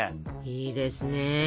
いいですね。